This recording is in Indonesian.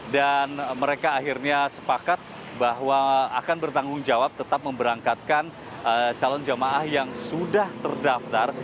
dan mereka akhirnya sepakat bahwa akan bertanggung jawab tetap memberangkatkan calon jemaah yang sudah terdaftar